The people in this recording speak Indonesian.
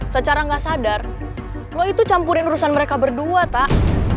secara nggak sadar lo itu campurin urusan mereka berdua tak